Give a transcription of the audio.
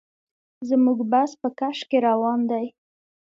زموږ بس په کش کې روان دی.